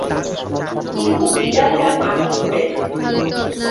কিন্তু বিড়ালরা মাটি খোঁড়ে না।